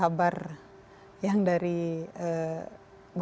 jadi orangnya tidak segemlah menterset